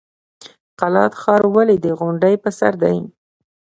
قلات ښار ولې د غونډۍ په سر دی؟